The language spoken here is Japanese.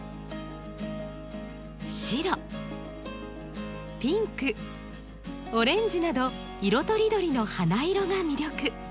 白ピンクオレンジなど色とりどりの花色が魅力。